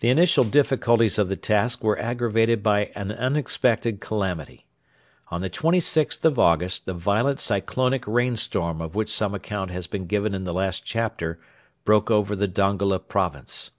The initial difficulties of the task were aggravated by an unexpected calamity. On the 26th of August the violent cyclonic rain storm of which some account has been given in the last chapter broke over the Dongola province.